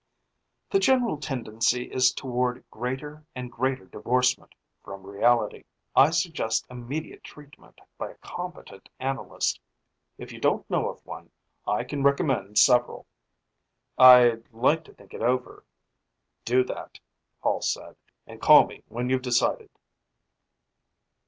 "The general tendency is toward greater and greater divorcement from reality. I suggest immediate treatment by a competent analyst. If you don't know of one, I can recommend several." "I'd like to think it over." "Do that," Hall said. "And call me when you've decided."